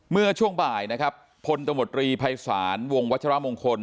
เมื่อช่วงบ่ายนะครับพนภายศาลวงวและวงคน